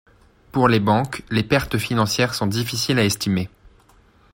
Pour les banques, les pertes financières sont difficiles à estimer.